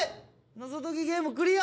「謎解きゲームクリア！」。